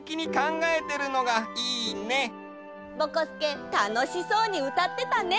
ぼこすけたのしそうにうたってたね！